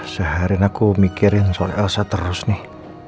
seharian aku mikirin soal elsa terus nih